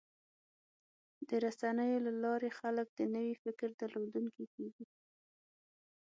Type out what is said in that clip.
د رسنیو له لارې خلک د نوي فکر درلودونکي کېږي.